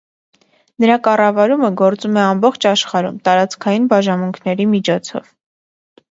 Նրա կառավարումը գործում է ամբողջ աշխարհում՝ տարածքային բաժանմունքների միջոցով։